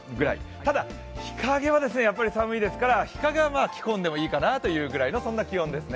ただ、日陰はやっぱり寒いですから着込んでもいいかなというぐらいの気温ですね。